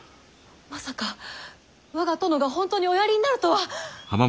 まさか我が殿が本当におやりになるとは！